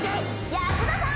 安田さん。